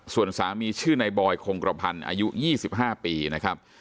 ส่วนสามีชื่อนายบอยคงกระพันอายุยี่สิบห้าปีนะครับ